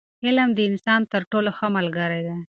علم د انسان تر ټولو ښه ملګری دی.